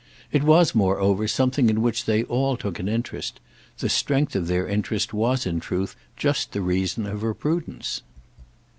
It was moreover something in which they all took an interest; the strength of their interest was in truth just the reason of her prudence.